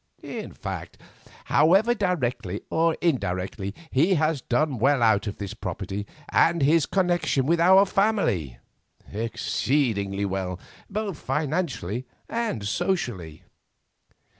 In fact, however, directly or indirectly, he has done well out of this property and his connection with our family—exceedingly well, both financially and socially.